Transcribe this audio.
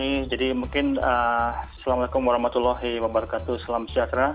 terima kasih pak andi jadi mungkin assalamualaikum warahmatullahi wabarakatuh